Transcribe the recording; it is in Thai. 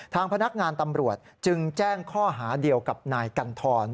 ทางพนักงานตำรวจจึงแจ้งข้อหาเดียวกับนายกันทร